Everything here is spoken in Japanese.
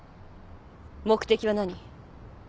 目的は何？